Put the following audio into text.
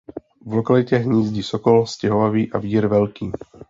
V lokalitě hnízdí sokol stěhovavý a výr velký.